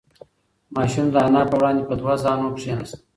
ماشوم د انا په وړاندې په دوه زانو کښېناست.